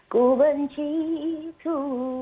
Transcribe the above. ku benci itu